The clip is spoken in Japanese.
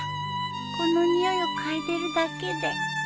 この匂いを嗅いでるだけで。